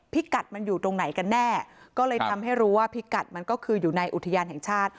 พิกัดมันอยู่ตรงไหนกันแน่ก็เลยทำให้รู้ว่าพิกัดมันก็คืออยู่ในอุทยานแห่งชาติ